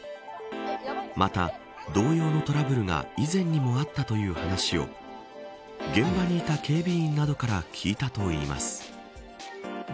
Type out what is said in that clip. また、同様のトラブルが以前にもあったという話を現場にいた警備員などから聞いたといいます。